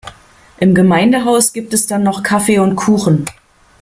Im Gemeindehaus gibt es dann noch Kaffee und Kuchen.